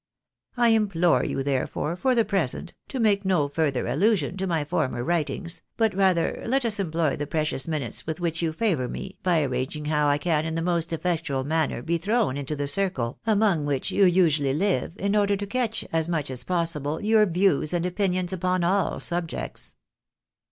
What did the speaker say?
I im plore you, therefore, for the present, to make no further allusion to my former writings, but. rather let us employ the precious minutes with which you fkvour me by arranging how I can in the most effectual manner be thrown into the circle among which you usually live, in ord^ to catch as much as possible, your views and opinions upon all subjects."